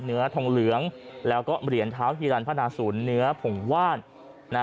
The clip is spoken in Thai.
เนื้อทองเหลืองแล้วก็เหรียญเท้าฮีรันพนาศูนย์เนื้อผงว่าน